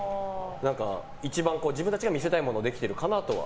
一番自分たちが見せたいものをできてるかなとは。